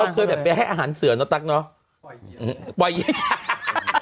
แต่ของเราเคยแบบแบบแฮะอาหารเสือนแล้วตั๊กเนาะ